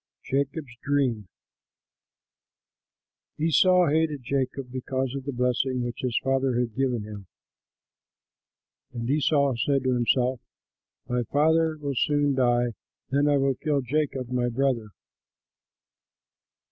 JACOB'S DREAM Esau hated Jacob because of the blessing which his father had given him. And Esau said to himself, "My father will soon die; then I will kill Jacob, my brother."